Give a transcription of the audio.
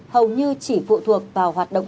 hầu như chỉ phụ thuộc vào hoạt động